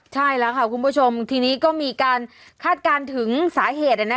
ใช่แล้วค่ะคุณผู้ชมทีนี้ก็มีการคาดการณ์ถึงสาเหตุ